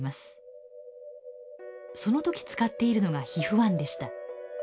その時使っているのがＨＩＦ−１でした。